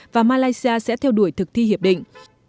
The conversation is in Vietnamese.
và malaysia sẽ theo đuổi thực thi hiệp định